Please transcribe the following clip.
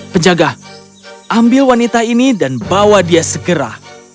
penjaga ambil wanita ini dan bawa dia segera